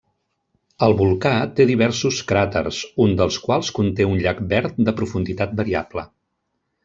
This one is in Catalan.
El volcà té diversos cràters, un dels quals conté un llac verd de profunditat variable.